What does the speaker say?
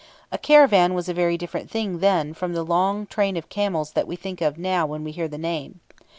A caravan was a very different thing then from the long train of camels that we think of now when we hear the name.